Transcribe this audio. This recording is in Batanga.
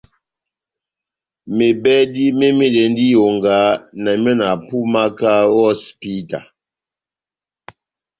Mebɛdi me mɛdɛndi iyonga na miɔ na pumaka o hosipita.